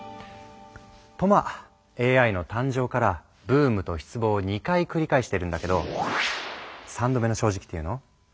とまあＡＩの誕生からブームと失望を２回繰り返してるんだけど３度目の正直っていうの？